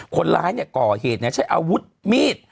คนร้ายก่อเหตุใช้อาวุธมีด